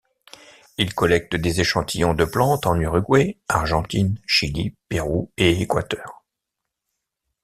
Il collecte des échantillons de plantes en Uruguay, Argentine, Chili, Pérou et Équateur.